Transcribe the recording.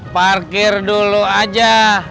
parkir dulu aja